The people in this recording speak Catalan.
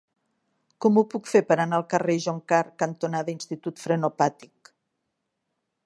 Com ho puc fer per anar al carrer Joncar cantonada Institut Frenopàtic?